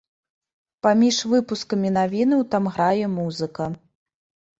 Паміж выпускамі навінаў там грае музыка.